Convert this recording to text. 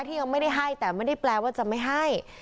ยังไม่ได้ให้แต่ไม่ได้แปลว่าจะไม่ให้